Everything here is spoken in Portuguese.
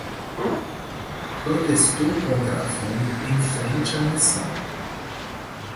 Protestou contra a fome em frente à mansão